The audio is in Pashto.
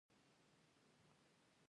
ته د کوم سینګار شرکت سره کار کوې